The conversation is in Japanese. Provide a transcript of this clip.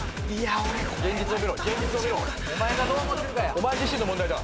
お前自身の問題だ。